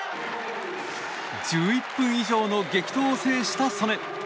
１１分以上の激闘を制した素根。